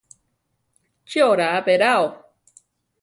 ¿Chi oraa beráo?